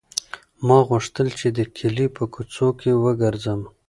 ما غوښتل چې د کلي په کوڅو کې وګرځم.